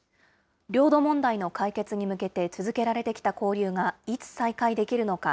領土問題の解決に向けて続けられてきた交流がいつ再開できるのか。